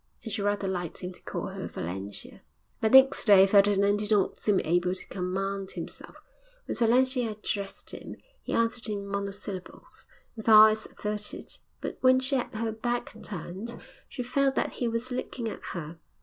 And she rather liked him to call her Valentia. But next day Ferdinand did not seem able to command himself. When Valentia addressed him, he answered in monosyllables, with eyes averted; but when she had her back turned, she felt that he was looking at her.